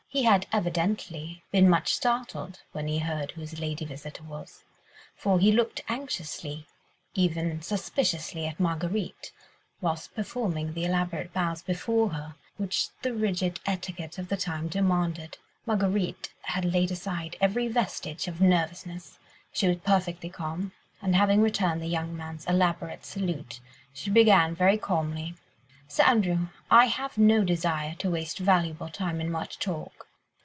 He had evidently been much startled when he heard who his lady visitor was, for he looked anxiously—even suspiciously—at Marguerite, whilst performing the elaborate bows before her, which the rigid etiquette of the time demanded. Marguerite had laid aside every vestige of nervousness; she was perfectly calm, and having returned the young man's elaborate salute, she began very calmly,— "Sir Andrew, I have no desire to waste valuable time in much talk.